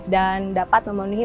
dan dapat memenuhi